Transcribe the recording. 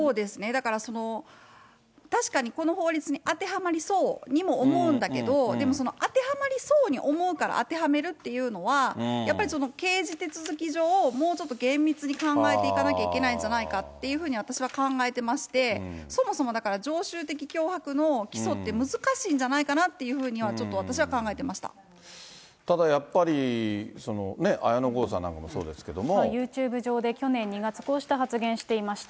だから、確かにこの法律に当てはまりそうにも思うんだけども、でも当てはまりそうに思うから当てはめるっていうのは、やっぱり刑事手続き上、もうちょっと厳密に考えていかなきゃいけないんじゃないかって私は考えてまして、そもそも常習的脅迫の基礎っていうのは難しいんじゃないかなって、ただやっぱり、その綾野剛さユーチューブ上で去年２月、こうした発言していました。